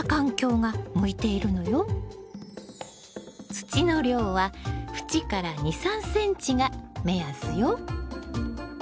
土の量は縁から２３ｃｍが目安よ。